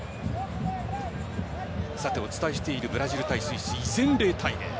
さて、お伝えしているブラジル対スイス、依然０対０。